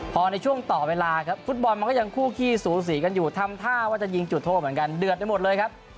พอในช่วงต่อเวลาครับฟุตบอลมันก็ยังคู่ขี้สูสีกันอยู่ทำท่าว่าจะยิงจุดโทษเหมือนกันเดือดไปหมดเลยครับ